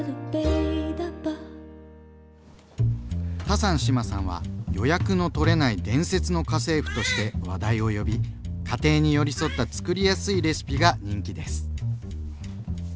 タサン志麻さんは「予約の取れない伝説の家政婦」として話題を呼び家庭に寄り添ったつくりやすいレシピが人気です。